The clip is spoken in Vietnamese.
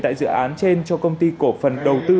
tại dự án trên cho công ty cổ phần đầu tư